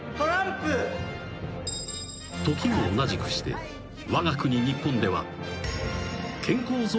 ［時を同じくしてわが国日本では］